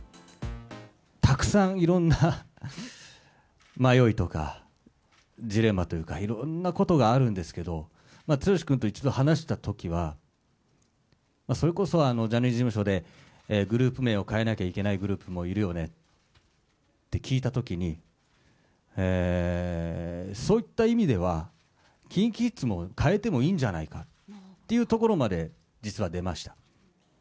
たくさんいろんな迷いとか、ジレンマというか、いろんなことがあるんですけど、剛君と一度話したときは、それこそあの、ジャニーズ事務所でグループ名を変えなきゃいけないグループもいるよねって聞いたときに、そういった意味では、ＫｉｎＫｉＫｉｄｓも変えてもいいんじゃないかっていうところまで、実は出ました。